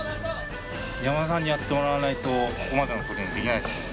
山田さんにやってもらわないとここまでのトレーニングできないですもんね。